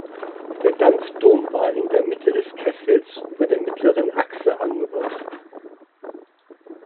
Der Dampfdom war in der Mitte des Kessels über der mittleren Achse angebracht.